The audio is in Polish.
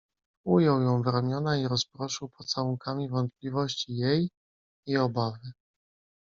"Ujął ją w ramiona i rozproszył pocałunkami wątpliwości jej i obawy."